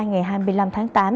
ngày hai mươi năm tháng tám